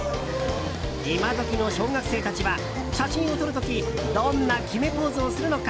今時の小学生たちは写真を撮る時どんな決めポーズをするのか？